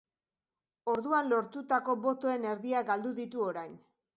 Orduan lortutako botoen erdiak galdu ditu orain.